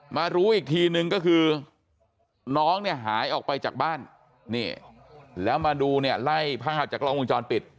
มารู้อีกทีนึงก็คือน้องเนี่ยหายออกไปจากบ้านนี่แล้วมาดูเนี่ยไล่ภาพจากกล้องวงจรปิด